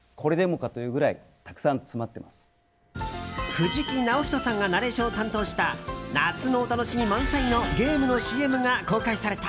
藤木直人さんがナレーションを担当した夏のお楽しみ満載のゲームのＣＭが公開された。